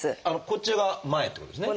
こっちが前ってことですね。